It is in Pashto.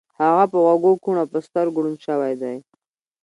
هغه په غوږو کوڼ او په سترګو ړوند شوی دی